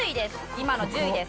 今の１０位です。